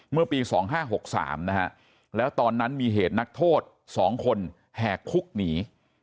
เมื่อปี๒๕๖๓นะฮะแล้วตอนนั้นมีเหตุนักโทษ๒คนแหกคุกหนี